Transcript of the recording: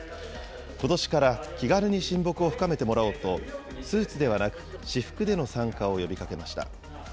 ことしから、気軽に親睦を深めてもらおうと、スーツではなく私服での参加を呼びかけました。